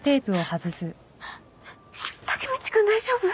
君大丈夫？